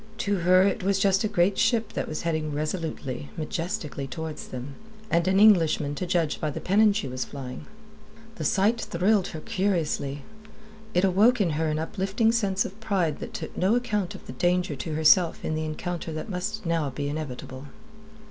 To her it was just a great ship that was heading resolutely, majestically, towards them, and an Englishman to judge by the pennon she was flying. The sight thrilled her curiously; it awoke in her an uplifting sense of pride that took no account of the danger to herself in the encounter that must now be inevitable.